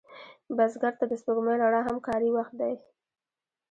بزګر ته د سپوږمۍ رڼا هم کاري وخت دی